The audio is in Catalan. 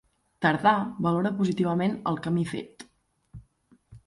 Tardà valora positivament el camí fet.